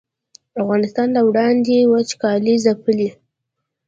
افغانستان له وړاندې وچکالۍ ځپلی